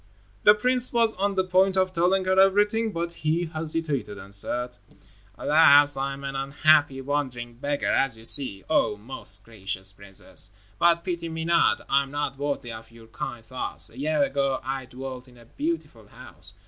The prince was on the point of telling her everything but he hesitated and said: "Alas! I am an unhappy, wandering beggar, as you see, O most gracious princess. But pity me not. I am not worthy of your kind thoughts. A year ago I dwelt in a a beautiful house.